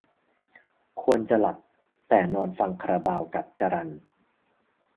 ควรจะหลับ แต่นอนฟังคาราบาวกับจรัล